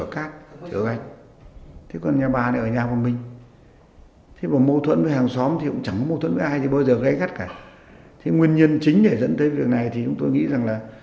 các chiến sĩ công an cũng không được phép bỏ qua